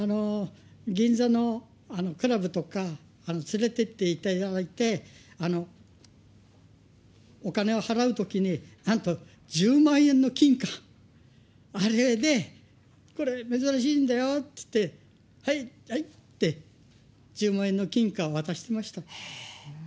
銀座のクラブとか、連れていっていただいて、お金を払うときに、なんと１０万円の金貨、あれで、これ、珍しいんだよって言って、はい、はいって、１０万円の金貨を渡してました。